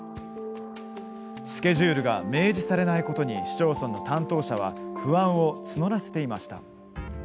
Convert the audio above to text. スケジュールが明示されないことに市町村の担当者は不安を募らせていました。